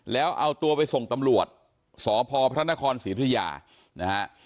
แล้วเอาตัวไปส่งตำรวจสพพระนครศรีธุยานะฮะ